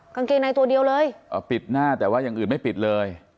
กางเกงในตัวเดียวเลยเอาปิดหน้าแต่ว่าอย่างอื่นไม่ปิดเลย